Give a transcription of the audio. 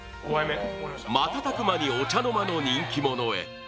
瞬く間にお茶の間の人気者へ。